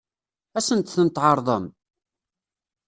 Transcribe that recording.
Ad sent-ten-tɛeṛḍem?